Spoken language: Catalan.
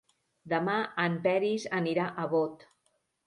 Demà en Peris anirà a Bot.